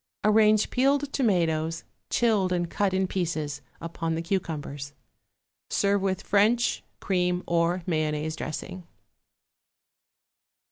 Arrange peeled tomatoes, chilled and cut in pieces, upon the cucumbers. Serve with French, cream or mayonnaise dressing.